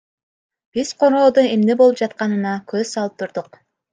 Биз короодо эмне болуп жатканына көз салып турдук.